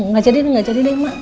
gak jadi deh emak